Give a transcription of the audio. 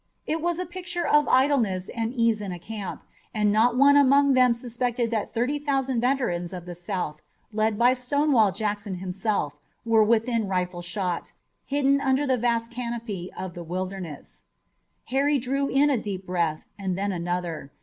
It was a picture of idleness and ease in a camp, and not one among them suspected that thirty thousand veterans of the South, led by Stonewall Jackson himself, were within rifle shot, hidden under the vast canopy of the Wilderness. Harry drew a deep breath, and then another.